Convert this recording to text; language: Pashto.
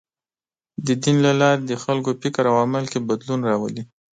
د دین له لارې د خلکو فکر او عمل کې بدلون راولي.